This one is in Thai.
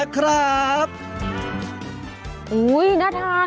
ขนมตาล